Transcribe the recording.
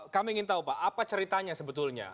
kami ingin tahu pak apa ceritanya sebetulnya